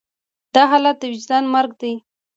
دا حالت د وجدان مرګ دی.